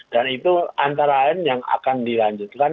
dan itu antara lain yang akan dilanjutkan dan harus dilanjutkan